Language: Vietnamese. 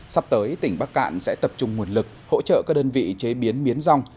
sắp tới tỉnh bắc cạn sẽ tập trung nguồn lực hỗ trợ các đơn vị chế biến miến rong